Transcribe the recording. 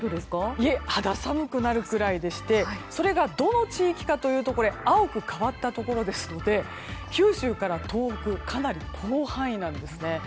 いいえ肌寒くなるくらいでしてそれがどの地域かというと青く変わったところですので九州から東北かなり広範囲なんですね。